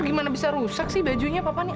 gimana bisa rusak sih bajunya papa ini